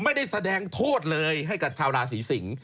ไม่ได้แสดงโทษเลยให้กับชาวราศีสิงศ